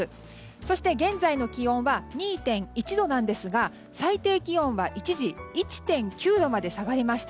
そして、現在の気温は２．１度なんですが最低気温は一時１．９度まで下がりました。